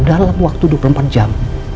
dalam waktu dua puluh empat jam